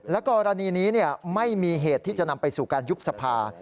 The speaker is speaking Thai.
กรณีนี้ไม่มีเหตุที่จะนำไปสู่การยุบสภา